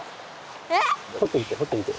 え⁉ほってみてほってみて。